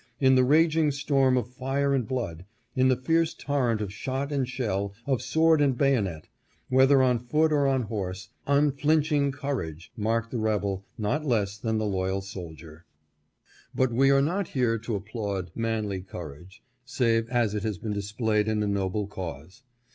In the raging storm of fire and blood, in the fierce torrent of shot and shell, of sword and bayonet, whether on foot or on horse, unflinching cour age marked the rebel not less than the loyal soldier. PRESIDENT OP CONVENTION IN NEW ORLEANS. 507 " But we are not here to applaud manly courage, save as it has been displayed in a noble cause.